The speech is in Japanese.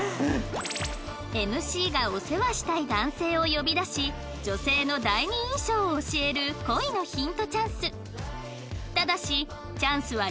ＭＣ がお世話したい男性を呼び出し女性の第二印象を教える恋のヒントチャンス